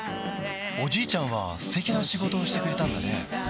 おじいちゃんは素敵な仕事をしてくれたんだね